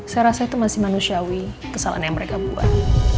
saya rasa itu masih manusiawi kesalahan yang mereka buat